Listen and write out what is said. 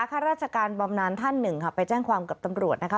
ข้าราชการบำนานท่านหนึ่งค่ะไปแจ้งความกับตำรวจนะคะ